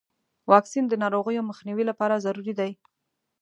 واکسین د ناروغیو مخنیوي لپاره ضروري دی.